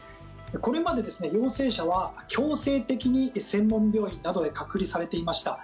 これまで陽性者は強制的に専門病院などへ隔離されていました。